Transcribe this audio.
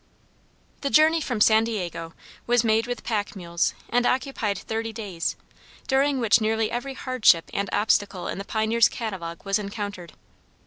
The journey from San Diego was made with pack mules and occupied thirty days, during which nearly every hardship and obstacle in the pioneer's catalogue was encountered.